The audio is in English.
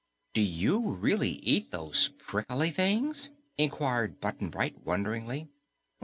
"Do you really eat those prickly things?" inquired Button Bright wonderingly.